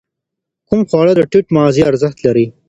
کوم خواړه د ټیټ مغذي ارزښت لري؟